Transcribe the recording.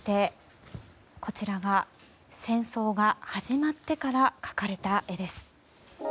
こちらが、戦争が始まってから描かれた絵です。